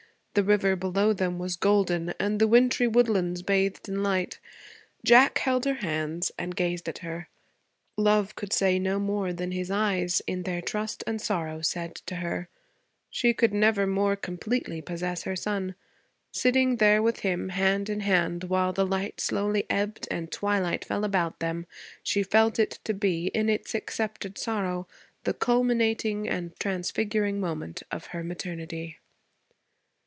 The river below them was golden, and the wintry woodlands bathed in light. Jack held her hands and gazed at her. Love could say no more than his eyes, in their trust and sorrow, said to her; she could never more completely possess her son. Sitting there with him, hand in hand, while the light slowly ebbed and twilight fell about them, she felt it to be, in its accepted sorrow, the culminating and transfiguring moment of her maternity.